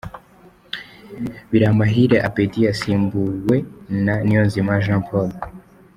Biramahire Abedy yasimbuwe na Niyonzima Jean Paul.